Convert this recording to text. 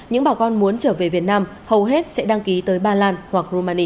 những bà con muốn trở về việt nam hầu hết sẽ đăng ký tới ba lan hoặc rumani